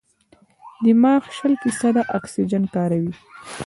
دماغ شل فیصده اکسیجن کاروي.